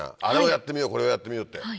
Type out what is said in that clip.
あれをやってみようこれをやってみようって。